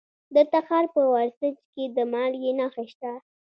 د تخار په ورسج کې د مالګې نښې شته.